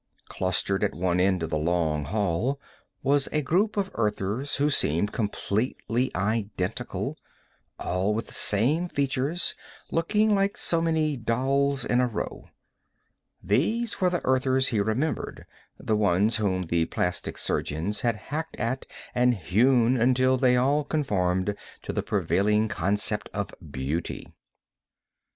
Clustered at one end of the long hall was a group of Earthers who seemed completely identical, all with the same features, looking like so many dolls in a row. These were the Earthers he remembered, the ones whom the plastic surgeons had hacked at and hewn until they all conformed to the prevailing concept of beauty.